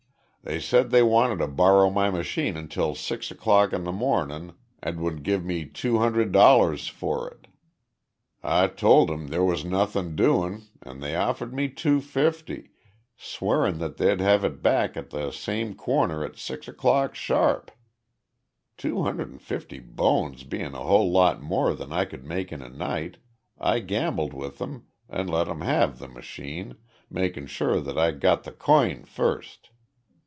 They said they wanted to borrow my machine until six o'clock in th' mornin' an' would give me two hunnerd dollars for it. I told 'em there was nothin' doin' an' they offered me two fifty, swearin' that they'd have it back at th' same corner at six o'clock sharp. Two hunnerd an' fifty bones being a whole lot more than I could make in a night, I gambled with 'em an' let 'em have th' machine, makin' sure that I got the coin foist.